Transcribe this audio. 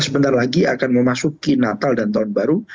sebentar lagi akan memasuki natal dan tahun baru